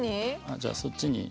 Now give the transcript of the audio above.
じゃあそっちに。